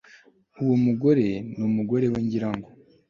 Uwo mugore numugore we ngira ngo